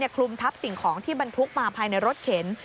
คลุมทับสิ่งของที่บรรทุกมาภายในรถเข็น